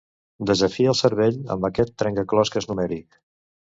desafia el cervell amb aquest trencaclosques numèric